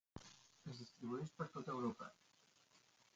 Es distribueix per tota Europa.